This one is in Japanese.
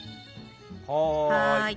はい。